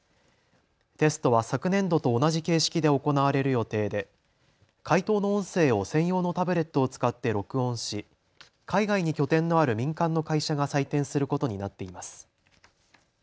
テストは昨年度と同じ形式で行われる予定で解答の音声を専用のタブレットを使って録音し海外に拠点のある民間の会社が採点することになっています。